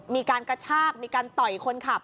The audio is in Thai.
มีการกระชากมีการต่อยคนขับ